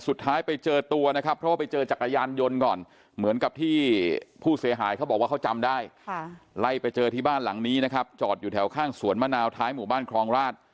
สุดท้ายไปเจอตัวนะครับเพราะว่าไปเจอจักรยานยนต์ก่อน